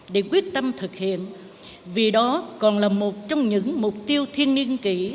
để quyết tâm thực hiện vì đó còn là một trong những mục tiêu thiên niên kỷ